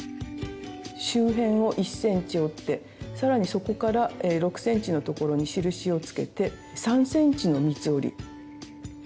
周辺を１ｃｍ折って更にそこから６ｃｍのところに印をつけて３ｃｍの三つ折り。